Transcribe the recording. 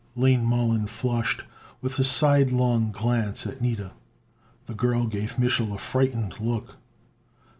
Lane Mollon flushed, with a sidelong glance at Nida. The girl gave Mich'l a frightened look.